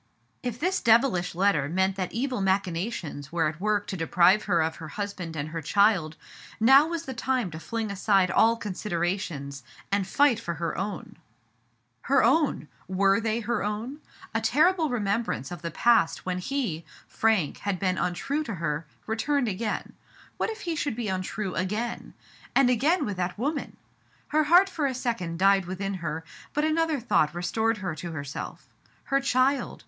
If this devilish letter meant that evil machinations were at work to deprive her of her husband and her child, now was the time to fling aside all considerations and fight for her own. »74 Digitized by Google MRS, HUMGERfORD. I7S Her own ! ivere they her own ? A terrible re membrance of the past when he, Frank, had been untrue to her, returned again. What if he should be untrue again ! And again with that woman ! Her heart for a second died within her, but another thought restored her to herself. Her child